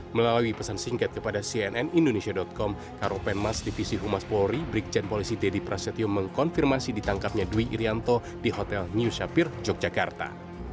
melalui pesan singkat kepada cnn indonesia com karopenmas divisi humas polri brigjen polisi deddy prasetyo mengkonfirmasi ditangkapnya dwi irianto di hotel new shapir yogyakarta